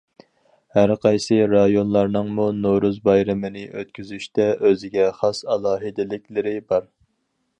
ھەرقايسى رايونلارنىڭمۇ نورۇز بايرىمىنى ئۆتكۈزۈشتە ئۆزىگە خاس ئالاھىدىلىكلىرى بار.